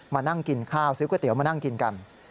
มานั่งกินข้าวซื้อก๋วเตี๋ยมานั่งกินกัน